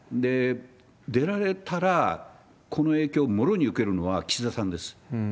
出られたら、この影響をもろに受けるのは岸田さんです。